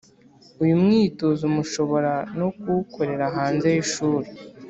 uyu mwitozo mushobora no kuwukorera hanze y'ishuri,